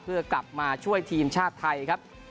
เพื่อกลับมาช่วยทีมชาติไทยครับ